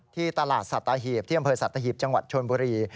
ที่ตลาดสัตหีบที่อำเภอสัตหีบจังหวัดชนบุรี